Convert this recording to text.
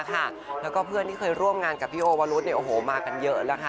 แล้วก็เพื่อนที่เคยร่วมงานกับพี่โอวรุธมากันเยอะแล้วค่ะ